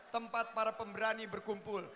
tempat para pemberani berkumpul